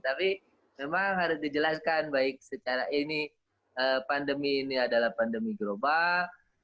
tapi memang harus dijelaskan baik secara ini pandemi ini adalah pandemi global